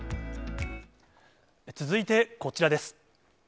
続いてこちらです。